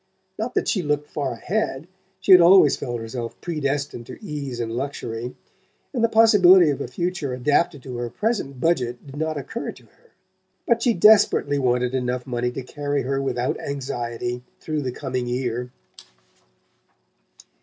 Not that she looked far ahead; she had always felt herself predestined to ease and luxury, and the possibility of a future adapted to her present budget did not occur to her. But she desperately wanted enough money to carry her without anxiety through the coming year.